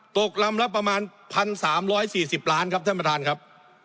ตกลำละประมาณ๑๓๔๐ล้านครับท่านประธานครับ